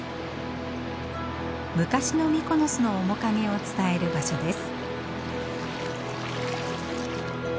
昔のミコノスの面影を伝える場所です。